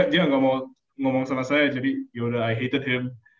dia gak mau ngomong sama saya jadi yaudah i hated heme